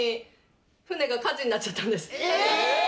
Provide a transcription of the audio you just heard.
え！